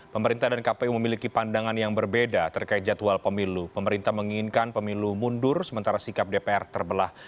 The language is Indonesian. pemerintah dan kpu memiliki pandangan yang berbeda terkait jadwal pemilu pemerintah menginginkan pemilu mundur sementara sikap dpr terbelah